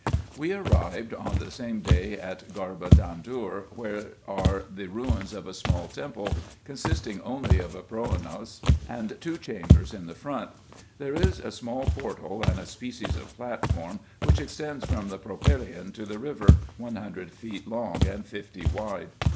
We arrived on the same day at Garba Dandour, where are the ruins of a small temple, consisting only of a pronaos and two chambers in the front. There is a small portal, and a species of platform, which extends from the propylaeon to the river, one hundred feet long and fifty wide.